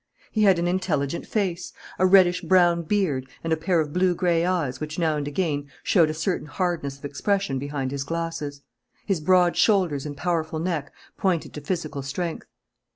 He had an intelligent face, a reddish brown beard, and a pair of blue gray eyes which now and again showed a certain hardness of expression behind his glasses. His broad shoulders and powerful neck pointed to physical strength.